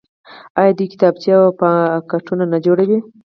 آیا دوی کتابچې او پاکټونه نه جوړوي؟